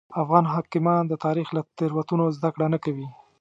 افغان حاکمان د تاریخ له تېروتنو زده کړه نه کوي.